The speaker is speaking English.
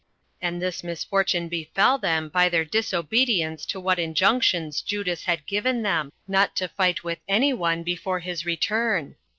And this misfortune befell them by their disobedience to what injunctions Judas had given them, not to fight with any one before his return.